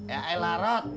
ya elah rod